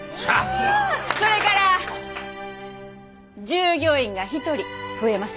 それから従業員が１人増えます。